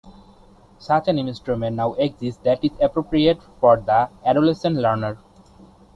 Such an instrument now exists that is appropriate for the adolescent learner.